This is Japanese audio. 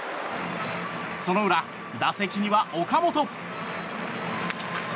その裏、打席には岡本。